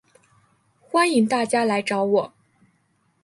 欢迎大家来找我